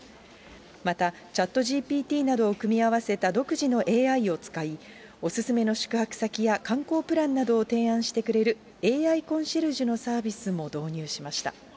またＣｈａｔＧＰＴなどを組み合わせた独自のＡＩを使い、お勧めの宿泊先や観光プランなどを提案してくれるＡＩコンシェルジュのサービスも導入しました。